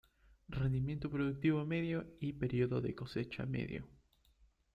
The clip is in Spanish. Rendimiento productivo medio y periodo de cosecha medio.